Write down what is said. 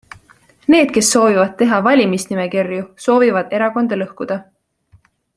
Need, kes soovivad teha valimisnimekirju, soovivad erakonda lõhkuda.